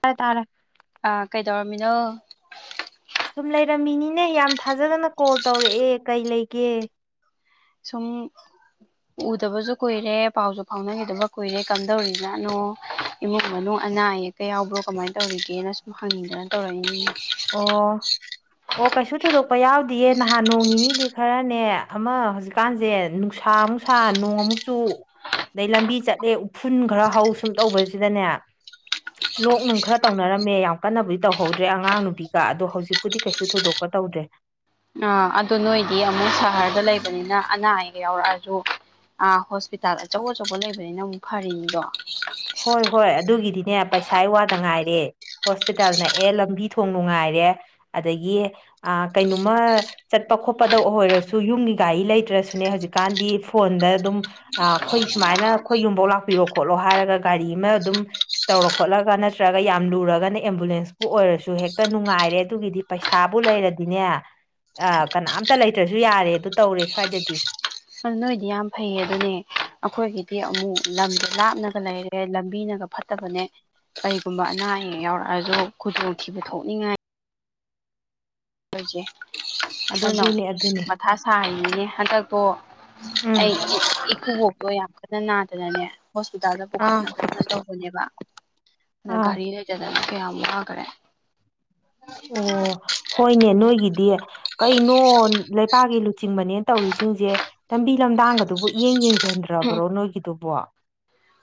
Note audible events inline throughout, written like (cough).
ꯇꯥꯏ ꯇꯥꯔꯦ ꯑꯥ ꯀꯩꯗꯧꯔꯝꯃꯤꯅꯣ ꯁꯨꯝ ꯂꯩꯔꯝꯃꯤꯅꯤꯅꯦ ꯌꯥꯝ ꯊꯥꯖꯗꯅ ꯀꯣꯜ ꯇꯧꯔꯛꯑꯦ ꯀꯩ ꯂꯩꯒꯦ ꯁꯨꯝ ꯎꯗꯕꯖꯨ ꯀꯨꯏꯔꯦ ꯄꯥꯎꯖꯨ ꯐꯥꯎꯅꯒꯤꯗꯕ ꯀꯨꯏꯔꯦ ꯀꯝꯗꯧꯔꯤꯖꯥꯠꯅꯣ ꯏꯃꯨꯡ ꯃꯅꯨꯡ ꯑꯅꯥ ꯑꯌꯦꯛꯀ ꯌꯥꯎꯕ꯭ꯔꯣ ꯀꯃꯥꯏꯅ ꯇꯧꯔꯤꯒꯦꯅ ꯁꯨꯝ ꯍꯪꯅꯤꯡꯗꯅ ꯇꯧꯔꯛꯏꯅꯤꯅꯦ ꯑꯣ ꯑꯣ ꯀꯩꯁꯨ ꯊꯣꯏꯗꯣꯛꯄ ꯌꯥꯎꯗꯤꯌꯦ ꯅꯍꯥꯟ ꯅꯣꯡ ꯅꯤꯅꯤꯗꯤ ꯈꯔꯅꯦ ꯑꯃꯥ ꯍꯧꯖꯤꯛ ꯀꯥꯟꯖꯦ ꯅꯨꯡꯁꯥ ꯑꯃꯨꯛ ꯁꯥ ꯅꯣꯡ ꯑꯃꯨꯛ ꯆꯨ ꯗꯩ ꯂꯝꯕꯤ ꯆꯠꯂꯦ ꯎꯐꯨꯟ ꯈꯔ ꯍꯧ ꯁꯨꯝ ꯇꯧꯕꯖꯤꯗꯅꯦ ꯂꯣꯛ ꯅꯨꯡ ꯈ꯭ꯔ ꯇꯧꯅꯔꯝꯃꯦ ꯌꯥꯝ ꯀꯟꯅꯕꯨꯗꯤ ꯇꯧꯍꯧꯗ꯭ꯔꯦ ꯑꯉꯥꯡ ꯅꯨ ꯄꯤꯀ ꯑꯗꯣ ꯍꯧꯖꯤꯛꯄꯨꯗꯤ ꯀꯩꯁꯨ ꯊꯣꯏꯗꯣꯛꯄ ꯇꯧꯗ꯭ꯔꯦ ꯑꯥ ꯑꯗꯨ ꯅꯣꯏꯗꯤ ꯑꯃꯨꯛ ꯁꯍꯔꯗ ꯂꯩꯕꯅꯤꯅ ꯑꯅꯥ ꯑꯌꯦꯛ ꯌꯥꯎꯔꯛꯑꯁꯨ ꯑꯥ ꯍꯣꯁꯄꯤꯇꯥꯜꯗ ꯑꯆꯧ ꯑꯆꯧꯕ ꯂꯩꯕꯅꯤꯅ ꯑꯃꯨꯛ ꯐꯔꯤꯅꯤꯗꯣ ꯍꯣꯏ ꯍꯣꯏ ꯑꯗꯨꯒꯤꯗꯤꯅꯦ ꯄꯩꯁꯥ ꯋꯥꯗ ꯉꯥꯏꯔꯦ ꯍꯣꯁꯄꯤꯇꯥꯜ ꯅꯛꯑꯦ ꯂꯝꯕꯤ ꯊꯣꯡ ꯅꯨꯡꯉꯥꯏꯔꯦ ꯑꯗꯒꯤ ꯑꯥ ꯀꯩꯅꯣꯃ ꯆꯠꯄ ꯈꯣꯠꯄꯗ ꯑꯣꯏꯔꯁꯨ ꯌꯨꯝꯒꯤ ꯒꯥꯔꯤ ꯂꯩꯇ꯭ꯔꯁꯨꯅꯦ ꯍꯧꯖꯤꯛꯀꯥꯟꯗꯤ ꯐꯣꯟꯗ ꯑꯗꯨꯝ ꯑ ꯑꯈꯣꯏ ꯁꯨꯃꯥꯏꯅ ꯑꯈꯣꯏ ꯌꯨꯝꯕꯧ ꯂꯥꯛꯄꯤꯔꯣ ꯈꯣꯠꯂꯣ ꯍꯥꯏꯔꯒ ꯒꯥꯔꯤ ꯑꯃꯥ ꯑꯗꯨꯝ ꯇꯧꯔ ꯈꯣꯠꯂꯒ ꯅꯠꯇ꯭ꯔꯒ ꯌꯥꯝ ꯂꯨꯔꯒꯅ ꯑꯦꯝꯕꯨꯂꯦꯟꯁꯄꯨ ꯑꯣꯏꯔꯁꯨ ꯍꯦꯛꯇ ꯅꯨꯡꯉꯥꯏꯔꯦ ꯑꯗꯨꯒꯤꯗꯤ ꯄꯩꯁꯥꯕꯨ ꯂꯩꯔꯗꯤꯅꯦ ꯑ ꯀꯅꯥꯝꯇ ꯂꯩꯇ꯭ꯔꯁꯨ ꯌꯥꯔꯦ ꯑꯗꯨ ꯇꯧꯔꯦ ꯁ꯭ꯋꯥꯏꯗꯗꯤ ꯁꯨꯟ ꯅꯣꯏꯗꯤ ꯌꯥꯝ ꯐꯩꯌꯦ ꯑꯗꯨꯅꯦ ꯑꯈꯣꯏꯒꯤꯗꯤ ꯑꯃꯨꯛ ꯂꯝꯖꯦ ꯂꯥꯞꯅꯒ ꯂꯩꯔꯦ ꯂꯝꯕꯤꯅꯒ ꯐꯠꯇꯕꯅꯦ ꯀꯔꯤꯒꯨꯝꯕ ꯑꯅꯥ ꯑꯌꯦꯛ ꯌꯥꯎꯔꯛꯑꯁꯨ ꯈꯨꯗꯣꯡꯊꯤꯕ ꯊꯣꯛꯅꯤꯡꯉꯥꯏ ꯅꯣꯏꯖꯦ ꯑꯗꯨꯅ ꯑꯗꯨꯅꯦ ꯑꯗꯨꯅꯦ ꯃꯊꯥ ꯁꯥꯏꯅꯤꯅꯦ ꯍꯟꯗꯛꯇꯣ ꯎꯝ ꯑꯩ ꯏ ꯏꯀꯨꯕꯣꯛꯇꯣ ꯌꯥꯝ ꯀꯟꯅ ꯅꯥꯗꯅꯅꯦ ꯍꯣꯁꯄꯤꯇꯥꯜꯗ ꯑꯥ ꯄꯨꯈꯠꯅꯕ ꯇꯧꯕꯅꯦꯕ ꯑꯗ ꯑꯥ ꯒꯥꯔꯤ ꯂꯩꯇꯗꯅꯥ ꯀꯌꯥꯝ ꯋꯥꯈ꯭ꯔꯦ ꯑꯣ ꯍꯣꯏꯅꯦ ꯅꯣꯏꯒꯤꯗꯤ ꯀꯩꯅꯣ ꯂꯩꯄꯥꯛꯀꯤ ꯂꯨꯆꯤꯡꯕꯅꯦꯅ ꯇꯧꯔꯤꯁꯤꯡꯁꯦ ꯂꯝꯕꯤ ꯂꯝꯗꯥꯡꯒꯗꯨꯕꯨ ꯏꯌꯦꯡ ꯌꯦꯡꯁꯤꯟꯗ꯭ꯔꯥ ꯗ꯭ꯔꯥꯕꯔꯣ ꯅꯣꯏꯒꯤꯗꯨꯕꯣ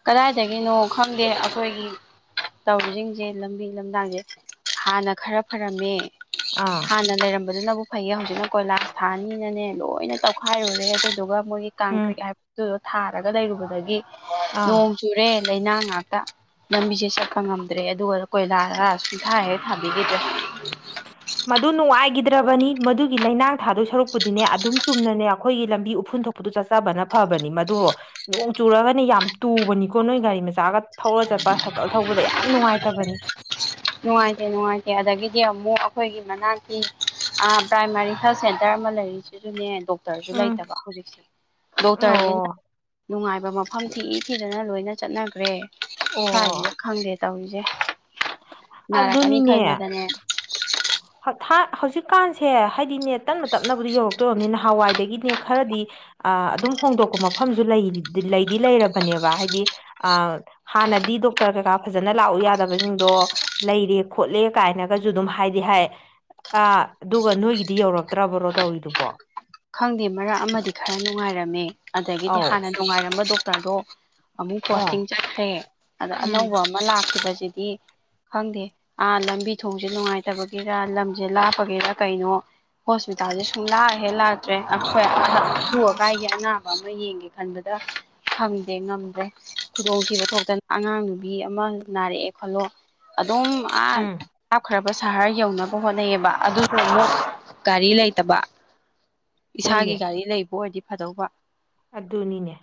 ꯀꯗꯥꯏꯗꯒꯤꯅꯣ ꯈꯪꯗꯦ ꯑꯩꯈꯣꯏꯒꯤ ꯇꯧꯔꯤꯁꯤꯡꯁꯦ ꯂꯝꯕꯤ ꯂꯝꯗꯥꯡꯁꯦ ꯍꯥꯟꯅ ꯈꯔ ꯐꯔꯝꯃꯦ ꯑꯥ ꯍꯥꯟꯅ ꯂꯩꯔꯝꯕꯗꯨꯅꯕꯨ ꯐꯩꯌꯦ ꯍꯧꯖꯤꯛꯅ ꯀꯣꯏꯂꯥꯁ ꯊꯥꯅꯤꯅꯅꯦ ꯂꯣꯏꯅ ꯇꯧꯈꯥꯏꯔꯨꯔꯦ ꯑꯗꯨꯗꯨꯒ ꯃꯣꯏꯒꯤ ꯇꯥꯡ ꯎꯝ ꯀ꯭ꯔꯤꯛ ꯍꯥꯏꯕꯗꯨꯗꯣ ꯊꯥꯔꯒ ꯂꯩꯔꯨꯕꯗꯒꯤ ꯑꯥ ꯅꯣꯡ ꯆꯨꯔꯦ ꯂꯩꯥꯅꯥꯡ ꯉꯥꯛꯇ ꯂꯝꯕꯤꯁꯦ ꯆꯠꯄ ꯉꯝꯗ꯭ꯔꯦ ꯑꯗꯨꯒ ꯀꯣꯏꯂꯥꯒ ꯁꯩꯡꯊꯥꯍꯦꯛ ꯊꯥꯕꯤꯈꯤꯗ꯭ꯔꯦ ꯃꯗꯨ ꯅꯨꯡꯉꯥꯏꯈꯤꯗ꯭ꯔꯕꯅꯤ ꯃꯗꯨꯒꯤ ꯂꯩꯅꯥꯡ ꯊꯥꯗꯣꯏ ꯁꯔꯨꯛꯄꯨꯗꯨꯅꯦ ꯑꯗꯨꯝ ꯆꯨꯝꯅꯅꯦ ꯑꯩꯈꯣꯏꯒꯤ ꯂꯝꯕꯤ ꯎꯐꯨꯟ ꯊꯣꯛ ꯕꯗꯨ ꯆꯠꯆꯕꯅ ꯐꯕꯅꯤ ꯃꯗꯣ ꯅꯣꯡ ꯆꯨꯔꯒꯅꯦ ꯌꯥꯝ ꯇꯨꯕꯅꯤꯀꯣ ꯅꯣꯏ ꯒꯥꯔꯤ ꯃꯆꯥꯒ ꯊꯧꯔ ꯆꯠꯄ ꯁꯥꯏꯀꯜ ꯊꯧꯕꯗ ꯌꯥꯝ ꯅꯨꯡꯉꯥꯏꯇꯕꯅꯤ ꯅꯨꯡꯉꯥꯏꯇꯦ ꯅꯨꯡꯉꯥꯏꯇꯦ ꯑꯗꯒꯤꯗꯤ ꯑꯃꯨꯛ ꯑꯩꯈꯣꯏꯒꯤ ꯃꯅꯥꯛꯀꯤ ꯑꯥ ꯄ꯭ꯔꯥꯏꯃꯥꯔꯤ ꯍꯦꯜ ꯁꯦꯟꯇꯔ ꯑꯃ ꯂꯩꯔꯤꯁꯤꯁꯨꯅꯦ ꯗꯣꯛ ꯗꯣꯛꯇꯔꯁꯨ ꯎꯝ ꯂꯩꯇꯕ ꯍꯧꯖꯤꯛꯁꯦ ꯗꯣꯛꯇꯔꯅꯤꯅ ꯑꯣ ꯅꯨꯡꯉꯥꯏꯕ ꯃꯐꯝ ꯊꯤ ꯊꯤꯗꯅ ꯂꯣꯏꯅ ꯆꯠꯅꯈ꯭ꯔꯦ ꯁ꯭ꯋꯥꯏꯁꯤꯗ ꯑꯣ ꯈꯪꯗꯦ ꯇꯧꯔꯤꯁꯦ ꯅꯥꯔꯛꯀꯅꯤ ꯑꯗꯨꯅꯤꯅꯦ ꯈꯟꯕꯗꯅꯦ ꯍꯧꯖꯤꯛꯀꯥꯟꯁꯦ ꯍꯥꯏꯗꯤ ꯅꯦ ꯇꯞꯅ ꯇꯞꯅꯕꯨꯗꯤ ꯌꯧꯔꯛꯇꯣꯏꯔꯝꯅꯤ ꯅꯍꯥꯟꯋꯥꯏꯗꯒꯤꯅꯦ ꯈꯔꯗꯤ ꯑ ꯑꯗꯨꯝ ꯍꯣꯡꯗꯣꯛꯄ ꯃꯐꯝꯁꯨ ꯂꯩꯗꯤ ꯂꯩꯔꯕꯅꯦꯕ ꯍꯥꯏꯗꯤ ꯑꯥ ꯍꯥꯟꯅꯗꯤ ꯗꯣꯛꯇꯔ ꯀꯩꯀꯥ ꯐꯖꯅ ꯂꯥꯛꯎ ꯌꯥꯗꯕꯁꯤꯡꯗꯣ ꯂꯩꯔꯦ ꯈꯣꯠꯂꯦ ꯀꯥꯏꯅꯒꯁꯨ ꯑꯗꯨꯝ ꯍꯥꯏꯗꯤ ꯍꯥꯏ ꯑ ꯑꯗꯨꯒ ꯅꯣꯏꯒꯤꯗꯤ ꯌꯧꯔꯛꯇ꯭ꯔꯕ꯭ꯔꯣ ꯇꯧꯔꯤꯗꯨꯕꯣ ꯈꯪꯗꯦ ꯃꯔꯛ ꯑꯃꯗꯤ ꯈꯔ ꯅꯨꯡꯉꯥꯏꯔꯝꯃꯦ ꯑꯗꯒꯤꯗꯤ ꯑꯧ ꯍꯥꯟꯅ ꯅꯨꯡꯉꯥꯏꯔꯝꯕ ꯗꯣꯛꯇꯔꯗꯣ ꯑꯃꯨꯛ ꯑꯣ ꯄꯣꯁꯇꯤꯡ ꯆꯠꯈ꯭ꯔꯦ ꯑꯗ ꯑꯅꯧꯕ ꯎꯝ ꯑꯃ ꯂꯥꯛꯈꯤꯕꯁꯤꯗꯤ ꯈꯪꯗꯦ ꯑꯥ ꯂꯝꯕꯤ ꯊꯣꯡꯁꯦ ꯅꯨꯡꯉꯥꯏꯇꯕꯒꯤꯔ ꯂꯝꯁꯦ ꯂꯥꯞꯄꯒꯤꯔ ꯀꯩꯅꯣ ꯍꯣꯁꯄꯤꯇꯥꯜꯁꯦ ꯁꯨꯡ ꯂꯥꯛꯍꯦꯛ ꯂꯥꯛ ꯇꯔꯦ ꯑꯈꯣꯏ ꯑꯊꯨ ꯑꯀꯥꯏꯒꯤ ꯑꯅꯥꯕ ꯑꯃ ꯌꯦꯡꯒꯦ ꯈꯟꯕꯗ ꯐꯪꯗꯦ ꯉꯝꯗ꯭ꯔꯦ ꯈꯨꯗꯣꯡ ꯊꯤꯕ ꯊꯣꯛꯇꯅ ꯑꯉꯥꯡ ꯅꯨꯕꯤ ꯑꯃ ꯅꯥꯔꯛꯑꯦ ꯈꯣꯠꯂꯣ ꯑꯗꯨꯝ ꯑꯥ ꯎꯝ ꯂꯥꯞꯈꯔꯥꯕ ꯁꯍꯔ ꯌꯧꯅꯕ ꯍꯣꯠꯅꯩꯑꯦꯕ ꯑꯗꯨꯁꯨ ꯑꯃꯨꯛ ꯒꯥꯔꯤ ꯂꯩꯇꯕ ꯏꯁꯥꯒꯤ ꯍꯣꯏꯅꯦ ꯒꯥꯔꯤ ꯂꯩꯕ ꯑꯣꯏꯗꯤ ꯐꯗꯧꯕ ꯑꯗꯨꯅꯤꯅꯦ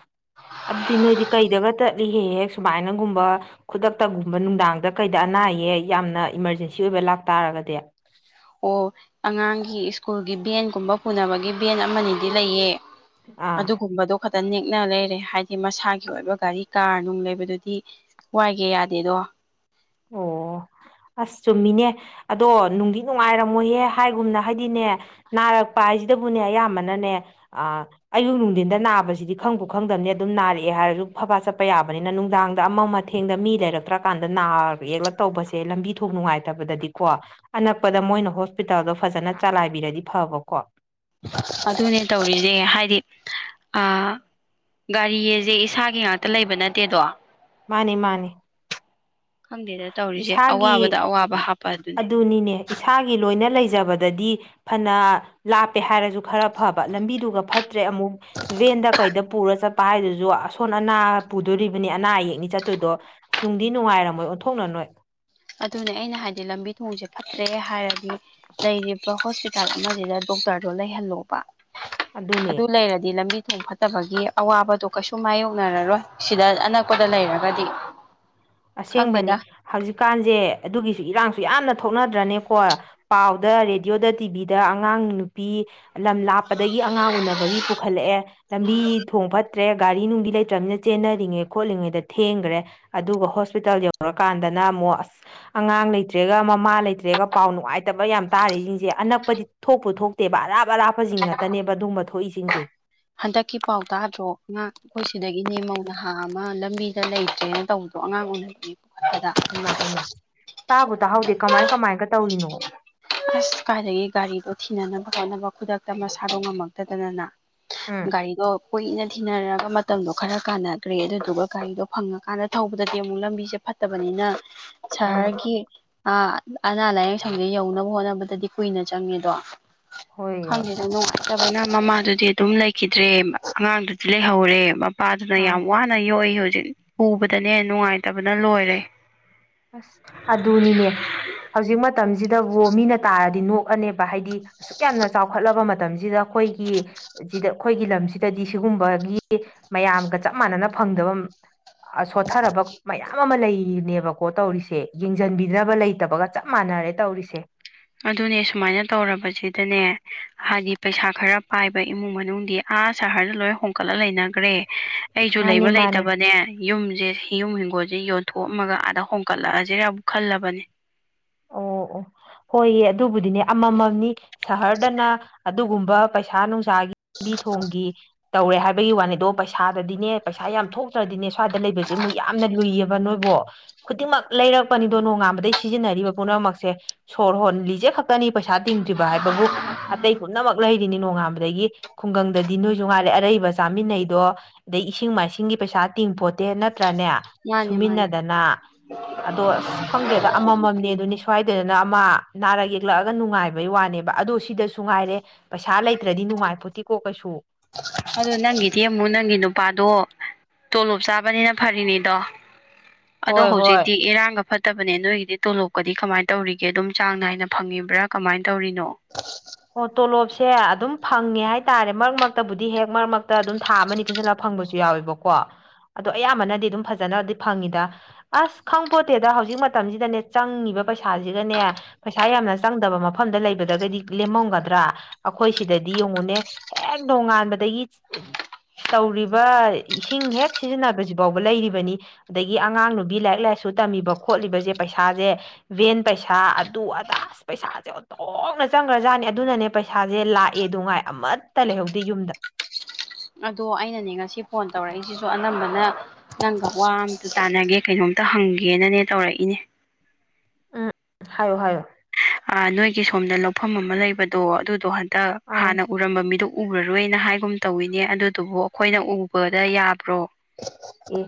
ꯑꯗꯨꯗꯤ ꯅꯣꯏꯗꯤ ꯀꯩꯗꯒ ꯆꯠꯂꯤꯍꯦꯛ ꯍꯦꯛ ꯁꯨꯃꯥꯏꯅꯒꯨꯝꯕ ꯈꯨꯗꯛꯇꯒꯨꯝꯕ ꯅꯨꯡꯗꯥꯡꯗ ꯀꯩꯗ ꯑꯅꯥ ꯑꯌꯦꯛ ꯌꯥꯝꯅ ꯏꯃꯥꯔꯖꯦꯟꯁꯤ ꯑꯣꯏꯕ ꯂꯥꯛꯇꯥꯥꯔꯒꯗꯤ ꯑꯣ ꯑꯉꯥꯡꯒꯤ ꯁ꯭ꯀꯨꯜꯒꯤ ꯚꯦꯟꯒꯨꯝꯕ ꯄꯨꯅꯕꯒꯤ ꯚꯦꯟ ꯑꯃꯅꯤꯗꯤ ꯂꯩꯌꯦ ꯑꯥ ꯑꯗꯨꯒꯨꯝꯕꯗꯣ ꯈꯛꯇ ꯅꯦꯛꯅ ꯂꯩꯔꯦ ꯍꯥꯏꯗꯤ ꯃꯁꯥꯒꯤ ꯑꯣꯏꯕ ꯒꯥꯔꯤ ꯀꯥꯔ ꯅꯨꯡ ꯂꯩꯕꯗꯨꯗꯤ ꯋꯥꯏꯒꯦ ꯌꯥꯗꯦꯗꯣ ꯑꯣ (inaudible) ꯑꯁ ꯆꯨꯝꯃꯤꯅꯦ ꯑꯗꯣ ꯅꯨꯡꯗꯤ ꯅꯨꯡꯉꯥꯏꯔꯝꯃꯣꯏꯍꯦ ꯍꯥꯏꯒꯨꯝꯅ ꯍꯥꯏꯗꯤꯅꯦ ꯅꯥꯔꯛꯄ ꯍꯥꯏꯁꯤꯗꯕꯨꯅꯦ ꯑꯌꯥꯝꯕꯅꯅꯦ ꯑ ꯑꯌꯨꯛ ꯅꯨꯡꯊꯤꯟꯗ ꯅꯥꯕꯁꯤꯗꯤ ꯈꯪꯕꯨꯈꯪꯗꯝꯅꯤ ꯑꯗꯨꯝ ꯅꯥꯔꯛꯑꯦ ꯍꯥꯏꯔꯁꯨ ꯐꯕ ꯆꯠꯄ ꯌꯥꯕꯅꯤꯅ ꯅꯨꯡꯗꯥꯡꯗ ꯑꯃꯝ ꯑꯊꯦꯡ ꯊꯦꯡꯗ ꯃꯤ ꯂꯩꯔꯛꯇ꯭ꯔꯀꯥꯟꯗ ꯅꯥ ꯌꯦꯛꯂꯛ ꯇꯧꯕꯁꯦ ꯂꯝꯕꯤ ꯊꯣꯡ ꯅꯨꯡꯉꯥꯏꯇꯕꯗꯗꯤꯀꯣ ꯑꯅꯛꯄꯗ ꯃꯣꯏꯅ ꯍꯣꯁꯄꯤꯇꯥꯜꯗꯣ ꯐꯖꯅ ꯆꯂꯥꯏꯕꯤꯔꯗꯤ ꯐꯕꯀꯣ ꯑꯗꯨꯅꯦ ꯇꯧꯔꯤꯁꯦ ꯍꯥꯏꯗꯤ ꯑ ꯒꯥꯔꯤꯑꯁꯦ ꯏꯁꯥꯒꯤ ꯉꯥꯛꯇ ꯂꯩꯕ ꯅꯠꯇꯦꯗꯣ ꯃꯥꯅꯤ ꯃꯥꯅꯤ (unintelligible) ꯈꯪꯗꯦꯗ ꯇꯧꯔꯤꯁꯦ ꯏꯁꯥꯒꯤ ꯑꯋꯥꯕꯗ ꯑꯋꯥꯕ ꯍꯥꯞꯄ (unintelligible) ꯑꯗꯨꯅꯦ ꯑꯗꯨꯅꯤꯅꯦ ꯏꯁꯥꯒꯤ ꯂꯣꯏꯅ ꯂꯩꯖꯕꯗꯗꯤ ꯐꯅ ꯂꯥꯞꯄꯦ ꯍꯥꯏꯔꯖꯨ ꯈꯔ ꯐꯕ ꯂꯝꯕꯤꯗꯨꯒ ꯐꯠꯇ꯭ꯔꯦ ꯑꯃꯨꯛ ꯚꯦꯟꯗ ꯀꯩꯗ ꯄꯨꯔ ꯆꯠꯄ ꯍꯥꯏꯗꯨꯁꯨ ꯑꯁꯣꯟ ꯑꯅꯥ ꯄꯨꯗꯣꯔꯤꯕꯅꯤ ꯑꯅꯥ ꯑꯌꯦꯛꯅꯤ ꯆꯠꯇꯣꯏꯗꯣ ꯑꯁ ꯅꯨꯡꯗꯤ ꯅꯨꯡꯉꯥꯏꯔꯝꯃꯣꯏ ꯑꯣꯟꯊꯣꯛꯅ ꯅꯣꯏ ꯑꯗꯨꯅꯦ ꯑꯩꯅ ꯍꯥꯏꯗꯤ ꯂꯝꯕꯤ ꯊꯣꯡꯁꯦ ꯐꯠꯇ꯭ꯔꯦ ꯍꯥꯏꯔꯗꯤ ꯂꯩꯔꯤꯕ ꯍꯣꯁꯄꯤ__ ꯄꯤꯇꯥꯜ ꯑꯃꯁꯤꯗ ꯗꯣꯛꯇꯔꯗꯣ ꯂꯩꯍꯜꯂꯣꯕ ꯑꯗꯨꯅꯦ ꯑꯗꯨ ꯂꯩꯔꯗꯤ ꯂꯝꯕꯤ ꯊꯣꯡ ꯐꯠ__ ꯇꯕꯒꯤ ꯑꯋꯥꯕꯗꯣ ꯀꯩꯁꯨ ꯃꯥꯏꯌꯣꯛꯅꯔꯔꯣꯏ ꯁꯤꯗ ꯑꯅꯛꯄꯗ ꯂꯩꯔꯒꯗꯤ ꯈꯪꯗꯦꯗ ꯑꯁꯦꯡꯕꯅꯤ ꯍꯧꯖꯤꯛꯀꯥꯟꯁꯦ ꯑꯗꯨꯒꯤꯁꯨ ꯏꯔꯥꯡꯁꯨ ꯌꯥꯝꯅ ꯊꯣꯛꯅꯗ꯭ꯔꯅꯦꯀꯣꯏ ꯄꯥꯎꯗ ꯔꯦꯗꯤꯑꯣꯗ ꯇꯤꯚꯤꯗ ꯑꯉꯥꯡ ꯅꯨꯄꯤ ꯂꯝ ꯂꯥꯞꯄꯗꯒꯤ ꯑꯉꯥꯡ ꯎꯅꯕꯒꯤ ꯄꯨꯈꯠꯂꯛꯑꯦ ꯂꯝꯕꯤ ꯊꯣꯡ ꯐꯠꯇ꯭ꯔꯦ ꯒꯥꯔꯤ ꯅꯨꯡꯗꯤ ꯂꯩꯇ꯭ꯔꯃꯤꯅꯤꯅ ꯆꯦꯟꯅꯔꯤꯉꯩ ꯈꯣꯠꯂꯤꯉꯩꯗ ꯊꯦꯡꯒ꯭ꯔꯦ ꯑꯗꯨꯒ ꯍꯣꯁꯄꯤꯇꯥꯜ ꯌꯧꯔꯀꯥꯟꯗꯅ ꯑꯃꯨꯛ ꯑꯁ ꯑꯉꯥꯡ ꯂꯩꯇ꯭ꯔꯦꯒ ꯃꯃꯥ ꯂꯩꯇ꯭ꯔꯦꯒ ꯄꯥꯎ ꯅꯨꯡꯉꯥꯏꯇꯕ ꯌꯥꯝ ꯇꯥꯔꯤꯁꯤꯡꯁꯦ ꯑꯅꯛꯄꯗꯤ ꯊꯣꯛꯄꯨ ꯊꯣꯛꯇꯦꯕ ꯑꯔꯥꯞ ꯑꯔꯥꯞꯄꯁꯤꯡ ꯉꯥꯇꯅꯦꯕ ꯑꯗꯨꯒꯨꯝꯕ ꯊꯣꯛꯏꯁꯤꯡꯁꯦ ꯍꯟꯗꯛꯀꯤ ꯄꯥꯎꯇꯥꯗ꯭ꯔꯣ ꯑꯉꯥꯡ ꯑꯩꯈꯣꯏ ꯁꯤꯗꯒꯤꯅꯦ ꯃꯧ ꯅꯍꯥ ꯑꯃ ꯂꯝꯕꯤꯗ ꯂꯩꯇ꯭ꯔꯦꯅ ꯇꯧꯕꯗꯣ ꯑꯉꯥꯡ ꯎꯅꯅꯤ ꯈꯣꯠꯄꯗ (unintelligible) ꯍꯩꯃ ꯍꯩꯃ ꯇꯥꯕꯨ ꯇꯥꯍꯧꯗꯦ ꯀꯃꯥꯏ ꯀꯃꯥꯏꯅꯒ ꯇꯧꯔꯤꯅꯣ ꯑꯁ ꯀꯥꯏꯗꯒꯤ ꯒꯥꯔꯤꯗꯣ ꯊꯤꯅꯅꯕ ꯍꯣꯠꯅꯕ ꯈꯨꯗꯛꯇ ꯃꯁꯥꯗꯣ ꯉꯝꯃꯛꯇꯗꯅꯅ ꯃꯥ ꯎꯝ ꯒꯥꯔꯤꯗꯣ ꯀꯨꯏꯅ ꯊꯤꯅꯔꯒ ꯃꯇꯝꯗꯣ ꯈꯔ ꯀꯥꯟꯅꯒ꯭ꯔꯦ ꯑꯗꯨꯗꯨꯒ ꯒꯥꯔꯤꯗꯣ ꯐꯪꯉꯀꯥꯟꯗ ꯊꯧꯕꯗꯗꯤ ꯑꯃꯨꯛ ꯂꯝꯕꯤꯁꯦ ꯐꯠ__ ꯐꯠꯇꯕꯅꯤꯅ ꯎꯝ ꯁꯍꯔꯒꯤ ꯑ ꯑꯅꯥ ꯂꯥꯏꯌꯦꯡ ꯁꯪꯗꯨ ꯌꯧꯅꯕ ꯍꯣꯠꯅꯕꯗꯗꯤ ꯀꯨꯏꯅ ꯆꯪꯉꯦꯗꯣ ꯍꯣꯏ ꯍꯣꯏ ꯈꯣꯏꯒꯤꯗꯨꯅ ꯐꯠꯇꯕꯅ ꯃꯃꯥꯗꯨꯗꯤ ꯑꯗꯨꯝ ꯂꯩꯈꯤꯗ꯭ꯔꯦ ꯑꯉꯥꯡꯗꯨꯗꯤ ꯂꯩꯍꯧꯔꯦ ꯃꯄꯥꯗꯨꯅ ꯑꯥ ꯌꯥꯝ ꯋꯥꯅ ꯅ ꯌꯣꯛꯏ ꯍꯧꯖꯤꯛ ꯎꯕꯗꯅꯦ ꯅꯨꯡꯉꯥꯏꯇꯕꯅ ꯂꯣꯏꯔꯦ ꯑꯁ ꯑꯗꯨꯅꯤꯅꯦ ꯍꯧꯖꯤꯛ ꯃꯇꯝꯁꯤꯗꯕꯨ ꯃꯤꯅ ꯇꯥꯔꯗꯤ ꯅꯣꯛꯑꯅꯦꯕ ꯍꯥꯏꯗꯤ ꯑꯁꯨꯛ ꯌꯥꯝꯅ ꯆꯥꯎꯈꯠꯂꯕ ꯃꯇꯝꯁꯤꯗ ꯑꯩꯈꯣꯏꯒꯤ ꯁꯤꯗ ꯑꯩꯈꯣꯏꯒꯤ ꯂꯝꯁꯤꯗꯗꯤ ꯁꯤꯒꯨꯝꯕꯒꯤ ꯃꯌꯥꯝꯒ ꯆꯞ ꯃꯥꯟꯅꯅ ꯐꯪꯗꯕ ꯑ ꯁꯣꯠꯊꯔꯕ ꯃꯌꯥꯝ ꯑꯃ ꯂꯩꯔꯤꯅꯦꯕ ꯀꯣ ꯇꯧꯔꯤꯁꯦ ꯌꯦꯡꯁꯤꯟꯕꯤꯅꯕ ꯂꯩꯇꯕꯒ ꯆꯞ ꯃꯥꯟꯅꯔꯦ ꯇꯧꯔꯤꯁꯦ ꯑꯗꯨꯅꯦ ꯁꯨꯃꯥꯏꯅ ꯇꯧꯔꯕꯁꯤꯗꯅꯦ ꯍꯥꯏꯗꯤ ꯄꯩꯁꯥ ꯈꯔ ꯄꯥꯏꯕ ꯏꯃꯨꯡ ꯃꯅꯨꯡꯗꯤ ꯑꯥ ꯁꯍꯔꯗ ꯂꯣꯏ ꯍꯣꯡꯀꯠꯂ ꯂꯩꯅꯒ꯭ꯔꯦ ꯑꯩꯁꯨ ꯂꯩꯕ ꯃꯥꯅꯦ ꯃꯥꯅꯦ ꯂꯩꯇꯕꯅꯦ ꯌꯨꯝꯁꯦ ꯌꯨꯝ ꯍꯤꯡꯒꯣꯜꯁꯦ ꯌꯣꯟꯊꯣꯛꯑꯝꯃꯒ ꯑꯥꯗ ꯍꯣꯡꯀꯠꯂꯛꯑꯁꯤꯔꯕꯨ ꯈꯜꯂꯕꯅꯦ ꯑꯣ ꯑꯣ ꯍꯣꯏꯌꯦ ꯑꯗꯨꯕꯨꯗꯤꯅꯦ ꯑꯃꯃꯝꯅꯤ ꯁꯍꯔꯗꯅ ꯑꯗꯨꯒꯨꯝꯕ ꯄꯩꯁꯥ ꯅꯨꯡꯁꯥꯒꯤ ꯂꯝꯕꯤ ꯊꯣꯡꯒꯤ ꯇꯧꯔꯦ ꯍꯥꯏꯕꯒꯤ ꯋꯥꯅꯤꯗꯣ ꯄꯩꯁꯥꯗꯗꯤꯅꯦ ꯄꯩꯁꯥ ꯌꯥꯝ ꯊꯣꯛꯇ꯭ꯔꯗꯤꯅꯦ ꯁ꯭ꯋꯥꯏꯗ ꯂꯩꯕꯁꯦ ꯑꯃꯨꯛ__ ꯌꯥꯝꯅ ꯂꯨꯏꯌꯦꯕ ꯅꯣꯏꯕꯣ ꯈꯨꯗꯤꯡꯃꯛ ꯂꯩꯔꯛꯄꯅꯤꯗꯣ ꯅꯣꯡꯉꯥꯟꯕꯗꯩ ꯁꯤꯖꯤꯟꯅꯔꯤꯕ ꯄꯨꯝꯅꯃꯛꯁꯦ ꯁꯣꯔ ꯍꯣꯟ ꯂꯤꯖꯦ ꯈꯛ ꯈꯛꯇꯅꯤ ꯄꯩꯁꯥ ꯇꯤꯡꯗ꯭ꯔꯤꯕ ꯍꯥꯏꯕꯕꯨ ꯑꯇꯩ ꯄꯨꯝꯅꯃꯛ ꯂꯩꯔꯤꯅꯤ ꯅꯣꯡꯉꯥꯟꯕꯗꯒꯤ ꯈꯨꯡꯒꯪꯗꯗꯤ ꯅꯣꯏꯁꯨ ꯉꯥꯏꯔꯦ ꯑꯔꯩꯕ ꯆꯥꯃꯤꯟꯅꯩꯗꯣ ꯑꯗꯩ ꯏꯁꯤꯡ ꯃꯥꯏꯁꯤꯡꯒꯤ ꯄꯩꯁꯥ ꯇꯤꯡꯄꯣꯠ__ ꯗꯦ ꯅꯠꯇ꯭ꯔꯥꯅꯦ ꯃꯥꯅꯦ ꯃꯥꯅꯦ ꯁꯨꯃꯤꯟꯅꯗꯅ ꯑꯗꯣ ꯑꯁ ꯈꯪꯗ꯭ꯔꯦꯗ ꯑꯃꯃꯝꯅꯦ ꯑꯗꯨꯅꯤ ꯁ꯭ꯋꯥꯏꯗꯗꯅ ꯑꯃ ꯅꯥꯔꯛ ꯌꯦꯛꯂꯛꯑꯒ ꯅꯨꯡꯉꯥꯏꯕꯩ ꯋꯥꯅꯦꯕ ꯑꯗꯣ ꯁꯤꯗꯁꯨ ꯉꯥꯏꯔꯦ ꯄꯩꯁꯥ ꯂꯩꯇ꯭ꯔꯗꯤ ꯅꯨꯡꯉꯥꯏ ꯄꯣꯠꯇꯦꯀꯣ ꯀꯩꯁꯨ ꯑꯗꯣ ꯅꯪꯒꯤꯗꯤ ꯑꯃꯨꯛ ꯅꯪꯒꯤ ꯅꯨꯄꯥꯗꯣ ꯇꯣꯂꯣꯞ ꯆꯥꯕꯅꯤꯅ ꯐꯔꯤꯅꯤꯗꯣ ꯑꯗꯣ ꯍꯣꯏ ꯍꯣꯏ ꯍꯧꯖꯤꯛꯇꯤ ꯏꯔꯥꯡꯒ ꯐꯠ ꯐꯠꯇꯕꯅꯦ ꯅꯣꯏꯒꯤꯗꯤ ꯇꯣꯂꯣꯞꯀꯗꯤ ꯀꯃꯥꯏꯅ ꯇꯧꯔꯤꯒꯦ ꯑꯗꯨꯝ ꯆꯥꯡ ꯅꯥꯏꯅ ꯐꯪꯉꯤꯕ꯭ꯔ ꯀꯃꯥꯏꯅ ꯇꯧꯔꯤꯅꯣ ꯑꯣ ꯇꯣꯂꯣꯞꯁꯦ ꯑꯗꯨꯝ ꯐꯪꯉꯦ ꯍꯥꯏꯇꯥꯔꯦ ꯃꯔꯛ ꯃꯔꯛꯇꯕꯨꯗꯤ ꯍꯦꯛ ꯃꯔꯛ ꯃꯔꯛꯇ ꯑꯗꯨꯝ ꯊꯥ ꯑꯃ ꯑꯅꯤ ꯄꯨꯟꯁꯤꯜꯂꯛꯄ ꯐꯪꯕꯁꯨ ꯌꯥꯎꯋꯦꯕꯀꯣ ꯑꯗꯣ ꯑꯌꯥꯝꯕꯅꯗꯤ ꯑꯗꯨꯝ ꯐꯖꯅꯗꯤ ꯐꯪꯉꯤꯗ ꯑꯁ ꯈꯪꯄꯣꯠꯇꯦꯗ ꯍꯧꯖꯤꯛ ꯃꯇꯝꯁꯤꯗꯅꯦ ꯆꯪꯉꯤꯕ ꯄꯩꯁꯥꯁꯤꯒꯅꯦ ꯄꯩꯁꯥ ꯌꯥꯝꯅ ꯆꯪꯗꯕ ꯃꯐꯝꯗ ꯂꯩꯕꯗꯒꯗꯤ ꯂꯦꯝꯃꯝꯒꯗ꯭ꯔ ꯑꯩꯈꯣꯏ ꯁꯤꯗꯗꯤ ꯌꯦꯡꯉꯨꯅꯦ ꯍꯦꯛ ꯅꯣꯡꯉꯥꯟꯕꯗꯒꯤ ꯇꯧꯔꯤꯕ ꯏꯁꯤꯡ ꯍꯦꯛ ꯁꯤꯖꯤꯟꯅꯕꯁꯤ ꯐꯥꯎꯕ ꯂꯩꯔꯤꯕꯅꯤ ꯑꯗꯒꯤ ꯑꯉꯥꯡ ꯅꯨꯄꯤ ꯂꯥꯏꯔꯤꯛ ꯂꯥꯏꯁꯨ ꯇꯝꯃꯤꯕ ꯈꯣꯠꯂꯤꯕꯁꯦ ꯄꯩꯁꯥꯁꯦ ꯚꯦꯟ ꯄꯩꯁꯥ ꯑꯗꯨ ꯑꯗꯥ ꯑꯁ ꯄꯩꯁꯥꯁꯦ ꯑꯣꯟꯊꯣꯛꯅ ꯆꯪꯈ꯭ꯔꯖꯥꯠꯅꯦ ꯑꯗꯨꯅꯅꯦ ꯄꯩꯁꯥꯁꯦ ꯂꯥꯛꯑꯦꯗꯣ ꯉꯥꯏ ꯑꯃꯠꯇ ꯂꯩꯍꯧꯗꯦ ꯌꯨꯝꯗ ꯑꯗꯣ ꯑꯩꯅꯅꯦ ꯉꯁꯤ ꯐꯣꯟ ꯇꯧꯔꯛꯏꯁꯤꯁꯨ ꯑꯅꯝꯕꯅ ꯅꯪꯒ ꯋꯥ ꯑꯝꯇ ꯇꯥꯟꯅꯒꯦ ꯀꯩꯅꯣꯝꯇ ꯍꯪꯒꯦꯅꯅꯦ ꯇꯧꯔꯛꯏꯅꯦ ꯎꯝ ꯍꯥꯏꯌꯣ ꯍꯥꯏꯌꯣ ꯑ ꯅꯣꯏꯒꯤ ꯁꯣꯝꯗ ꯂꯧꯐꯝ ꯑꯃ ꯂꯩꯕꯗꯣ ꯑꯗꯨꯗꯣ ꯍꯟꯇꯛ ꯑꯥ ꯍꯥꯟꯅ ꯎ ꯎꯔꯝꯕ ꯃꯤꯗꯨ ꯎꯔꯔꯣꯏꯅ ꯍꯥꯏꯒꯨꯝ ꯇꯧꯋꯤꯅꯦ ꯑꯗꯨꯗꯨꯕꯨ ꯑꯩꯈꯣꯏꯅ ꯎꯕꯗ ꯌꯥꯕ꯭ꯔꯣ (unintelligible) ꯑꯦ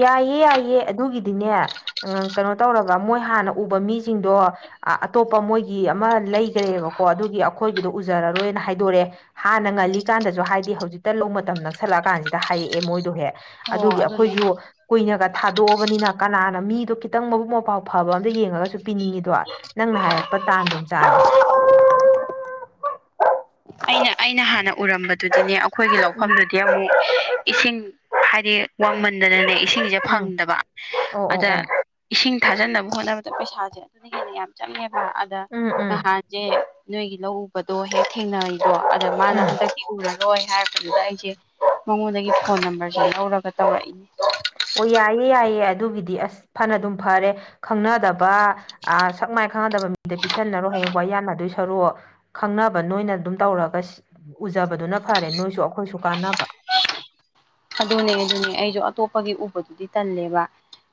ꯌꯥꯏꯌꯦ ꯌꯥꯏꯌꯦ ꯑꯗꯨꯒꯤꯗꯤꯅꯦ ꯑꯥ ꯀꯩꯅꯣ ꯇꯧꯔꯒ ꯃꯣꯏ ꯍꯥꯟꯅ ꯎꯕ ꯃꯤꯁꯤꯡꯗꯣ ꯑꯇꯣꯞꯄ ꯃꯣꯏꯒꯤ ꯑꯃ ꯂꯩꯈ꯭ꯔꯦꯕꯀꯣ ꯑꯗꯨꯒꯤ ꯑꯩꯈꯣꯏꯒꯤꯗꯣ ꯎꯖꯔꯔꯣꯏꯅ ꯍꯥꯏꯗꯣꯔꯛꯑꯦ ꯍꯥꯟꯅ ꯉꯜꯂꯤ ꯀꯥꯟꯗꯁꯨ ꯍꯥꯏꯗꯦ ꯍꯧꯖꯤꯛꯇ ꯂꯧ ꯃꯇꯝ ꯅꯛꯁꯜꯂꯛꯑ ꯀꯥꯟꯁꯤꯗ ꯍꯥꯏꯔꯛꯑꯦ ꯃꯣꯏꯗꯣꯍꯦ ꯍꯣ ꯑꯗꯨꯒꯤ ꯑꯗꯨꯅꯦ ꯑꯩꯈꯣꯏꯁꯨ ꯀꯨꯏꯅꯒ ꯊꯥꯗꯣꯛꯑꯕꯅꯤꯅ ꯀꯅꯥꯅ ꯃꯤꯗꯣ ꯈꯤꯇꯪ ꯃꯕꯨꯛ ꯃꯄꯥꯎ ꯐꯕ ꯑꯃꯇ ꯌꯦꯡꯉꯒꯁꯨ ꯄꯤꯅꯤꯡꯉꯤꯗꯣ ꯅꯪꯅ ꯍꯥꯏꯔꯛꯄ ꯇꯥꯟꯗꯨꯝ ꯆꯥꯔꯦ ꯑꯩꯅ ꯑꯩꯅ ꯍꯥꯟꯅ ꯎꯔꯝꯕꯗꯨꯗꯤꯅꯦ ꯑꯩꯈꯣꯏꯒꯤ ꯎꯝ ꯂꯧꯐꯝꯗꯨꯗꯤ ꯑꯃꯨꯛ ꯏꯁꯤꯡ ꯍꯥꯏꯗꯤ ꯋꯥꯡꯃꯟꯗꯅꯅꯦ ꯏꯁꯤꯡꯁꯦ ꯎꯝ ꯐꯪꯗꯕ ꯑꯣ ꯑꯣ ꯑꯗ ꯑꯣ ꯏꯁꯤꯡ ꯊꯥꯖꯟꯅꯕ ꯍꯣꯠꯅꯕꯗ ꯄꯩꯁꯥꯁꯦ ꯑꯗꯨꯗꯒꯤꯗꯤ ꯌꯥꯝ ꯆꯪꯉꯦꯕ ꯑꯗ ꯎꯝ ꯎꯝ ꯅꯍꯥꯟ ꯅꯦ ꯅꯣꯏꯒꯤ ꯂꯧ ꯎꯕꯗꯣ ꯍꯦꯛ ꯊꯦꯡꯅꯩꯕ ꯑꯗ ꯃꯥꯅ ꯎꯝ ꯍꯟꯗꯛ ꯎꯔꯔꯣꯏ ꯍꯥꯏꯔꯛꯄꯗꯨꯗ ꯑꯩꯁꯦ ꯃꯉꯣꯟꯗꯒꯤ ꯐꯣꯟ ꯅꯝꯕꯔꯁꯦ ꯂꯧꯔꯒ ꯇꯧꯔꯛꯏꯅꯦ ꯑꯣ ꯌꯥꯏꯌꯦ ꯌꯥꯏꯌꯦ ꯑꯗꯨꯒꯤꯗꯤ ꯑꯁ ꯐꯅ ꯗꯨꯝ ꯐꯔꯦ ꯈꯪꯅꯗꯕ ꯑ ꯁꯛ ꯃꯥꯏ ꯈꯪꯅꯗꯕ ꯃꯤꯗ ꯄꯤꯁꯟꯅꯔꯣ ꯍꯌꯦꯡ ꯋꯥ ꯌꯥꯝꯅꯗꯣꯏ ꯁꯔꯨꯛ ꯈꯪꯅꯕ ꯅꯣꯏꯅ ꯑꯗꯨꯝ ꯇꯧꯔꯒ ꯎꯖꯕꯗꯨꯅ ꯐꯔꯦ ꯅꯣꯏꯁꯨ ꯑꯩꯈꯣꯏꯁꯨ ꯀꯥꯟꯅꯕ ꯑꯗꯨꯅꯦ ꯑꯗꯨꯅꯦ ꯑꯩꯁꯨ ꯑꯇꯣꯞꯄꯒꯤ ꯎꯕꯗꯨꯗꯤ ꯇꯜꯂꯦꯕ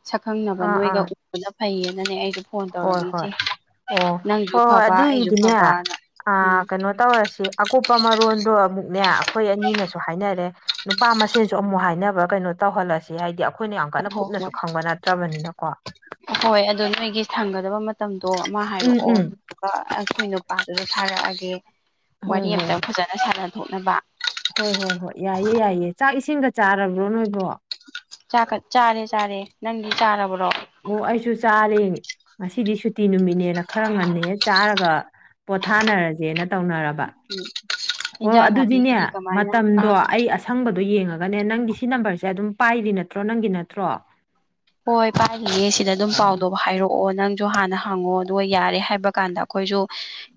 ꯁꯛꯈꯪꯅꯕ ꯑꯥ ꯅꯣꯏꯒ ꯑꯥ ꯎꯕꯅ ꯐꯩꯌꯦꯅꯅꯦ ꯑꯩꯁꯨ ꯐꯣꯟ ꯍꯣꯏ ꯍꯣꯏ ꯇꯧꯔꯛꯏꯁꯦ ꯑꯣ ꯍꯣꯏ ꯅꯪꯁꯨ ꯍꯣꯏ ꯐꯕ ꯑꯩꯁꯨ ꯑꯗꯨꯏꯗꯤꯅꯦ ꯐꯕꯅ ꯑ ꯎꯝ ꯀꯩꯅꯣ ꯇꯧꯔꯁꯤ ꯑꯀꯨꯞꯄ ꯃꯔꯣꯟꯗꯣ ꯑꯃꯨꯛꯅꯦ ꯑꯩꯈꯣꯏ ꯑꯅꯤꯅꯁꯨ ꯍꯥꯏꯅꯔꯦ ꯅꯨꯄꯥ ꯃꯁꯦꯟꯁꯨ ꯑꯃꯨꯛ ꯍꯥꯏꯅꯕ ꯀꯩꯅꯣ ꯇꯧꯍꯜꯂꯁꯦ ꯍꯥꯏꯗꯤ ꯑꯩꯈꯣꯏꯅ ꯌꯥꯝ ꯀꯟꯅ ꯍꯣ ꯀꯨꯞꯅꯁꯨ ꯍꯣꯏ ꯈꯪꯕ ꯅꯠꯇ꯭ꯔꯕꯅꯤꯅꯀꯣ ꯍꯣꯏ ꯑꯗꯣ ꯅꯣꯏꯒꯤ ꯁꯪꯒꯗꯕ ꯃꯇꯝꯗꯣ ꯑꯃ ꯎꯝ ꯍꯥꯏꯔꯛꯑꯣ ꯑꯗꯨ ꯎꯝ ꯑꯩꯈꯣꯏ ꯅꯨꯄꯥꯗꯨꯁꯨ ꯊꯥꯔꯛꯑꯒꯦ ꯋꯥꯔꯤ ꯍꯣꯏ ꯍꯣꯏ ꯍꯣꯏ ꯑꯝꯇꯪ ꯐꯖꯅ ꯁꯥꯟꯅꯊꯣꯛꯅꯕ ꯍꯣꯏ ꯍꯣꯏ ꯍꯣꯏ ꯌꯥꯏꯌꯦ ꯌꯥꯏꯌꯦ ꯆꯥꯛ ꯏꯁꯤꯡꯒ ꯆꯥꯔꯕ꯭ꯔꯣ ꯅꯣꯏꯕꯣ ꯆꯥꯛꯀ ꯆꯥꯔꯦ ꯆꯥꯔꯦ ꯅꯪꯗꯤ ꯆꯥꯔꯕ꯭ꯔꯣ ꯑꯣ ꯑꯩꯁꯨ ꯆꯥꯔꯦ ꯉꯁꯤꯗꯤ ꯁꯨꯇꯤ ꯅꯨꯃꯤꯠꯅꯦꯅ ꯈꯔ ꯉꯟꯅ ꯍꯦꯛ ꯆꯥꯔꯒ ꯄꯣꯊꯥꯅꯔꯁꯦꯅ ꯇꯧꯅꯔꯕ ꯎꯝ ꯑꯣ ꯏꯟꯖꯥꯡ ꯑꯗꯨꯗꯤꯅꯦ ꯅꯥꯄꯤꯒꯗꯤ ꯀꯃꯥꯏꯅ ꯃꯇꯝꯗꯣ ꯑꯥ ꯑꯩ ꯑ ꯁꯪꯕꯗꯣ ꯌꯦꯡꯉꯒꯅꯦ ꯅꯪꯒꯤ ꯁꯤ ꯅꯝꯕꯔꯁꯦ ꯑꯗꯨꯝ ꯄꯥꯏꯔꯤ ꯅꯠꯇ꯭ꯔꯣ ꯅꯪꯒꯤ ꯅꯠꯇ꯭ꯔꯣ ꯍꯣꯏ ꯄꯥꯏꯔꯤꯌꯦ ꯁꯤꯗ ꯗꯨꯝ ꯑꯣ ꯄꯥꯎꯗꯣ ꯍꯥꯏꯔꯛꯑꯣ ꯅꯪ ꯗꯣ ꯍꯥꯟꯅ ꯍꯪꯉꯣ ꯑꯗꯨꯒ ꯌꯥꯔꯦ ꯍꯥꯏꯕ ꯀꯥꯟꯗ ꯑꯈꯣꯏꯁꯨ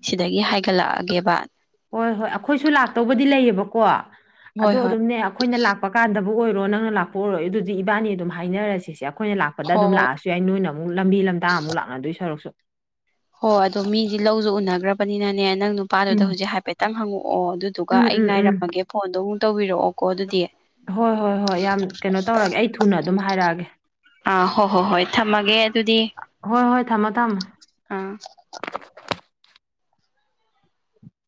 ꯁꯤꯗꯒꯤ ꯍꯥꯏꯒꯠꯂꯛꯑꯒꯦꯕ ꯍꯣꯏ ꯍꯣꯏ ꯑꯈꯣꯏꯁꯨ ꯂꯥꯛꯇꯧꯕꯗꯤ ꯂꯩꯌꯦꯕꯀꯣ ꯍꯣꯏ ꯑꯗꯣ ꯍꯣꯏ ꯑꯗꯨꯝꯅꯦ ꯑꯈꯣꯏꯅ ꯂꯥꯛ ꯄ ꯀꯥꯟꯗꯕꯨ ꯑꯣꯏꯔꯣ ꯅꯪꯅ ꯂꯥꯛꯄ ꯑꯣꯏꯔꯣ ꯑꯗꯨꯗꯤ ꯏꯕꯥꯅꯤ ꯑꯗꯨꯝ ꯍꯥꯏꯅꯔꯁꯤꯁꯦ ꯑꯩꯈꯣꯏꯅ ꯂꯥꯛꯄꯗ ꯑꯗꯨꯝ ꯍꯣꯏ ꯍꯣꯏ ꯂꯥꯛꯑꯁꯨ ꯌꯥꯏ ꯅꯣꯏꯅ ꯑꯃꯨꯛ ꯂꯝꯕꯤ ꯂꯝꯇꯥ ꯑꯃꯨꯛ ꯂꯥꯛꯅꯗꯣꯏ ꯁꯔꯨꯛꯁꯨ ꯍꯣ ꯑꯗꯣ ꯃꯤꯗꯤ ꯂꯧꯁꯨ ꯎꯅꯈ꯭ꯔꯕꯅꯤꯅꯅꯦ ꯅꯪ ꯅꯨꯄꯥꯗꯨꯗ ꯎꯝ ꯍꯧꯖꯤꯛ ꯍꯥꯏꯐꯦꯠꯇꯪ ꯍꯪꯉꯛꯑꯣ ꯑꯗꯨꯗꯨꯒ ꯎꯝ ꯑꯩ ꯎꯝ ꯎꯝ ꯉꯥꯏꯔꯝꯃꯒꯦ ꯐꯣꯟꯗꯣ ꯑꯃꯨꯛ ꯇꯧꯕꯤꯔꯛꯑꯣꯀꯣ ꯑꯗꯨꯗꯤ ꯍꯣꯏ ꯍꯣꯏ ꯍꯣꯏ ꯌꯥꯝ ꯀꯩꯅꯣ ꯇꯧꯔꯒꯦ ꯑꯩ ꯊꯨꯅ ꯑꯗꯨꯝ ꯍꯥꯏꯔꯛꯑꯒꯦ ꯑꯥ ꯍꯣ ꯍꯣ ꯍꯣꯏ ꯊꯝꯃꯒꯦ ꯑꯗꯨꯗꯤ ꯍꯣꯏ ꯍꯣꯏ ꯊꯝꯃꯣ ꯊꯝꯃꯣ ꯑꯝ